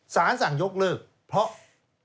สารสั่งยกเลิกเพราะ